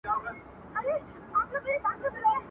زما په مینه زوی له پلار څخه بیلیږي.